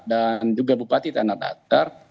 dan juga bupati tanah tatar